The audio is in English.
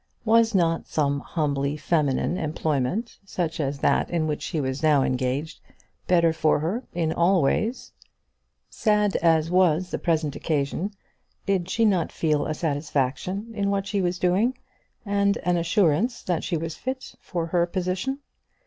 Was not some humbly feminine employment, such as that in which she was now engaged, better for her in all ways? Sad as was the present occasion, did she not feel a satisfaction in what she was doing, and an assurance that she was fit for her position?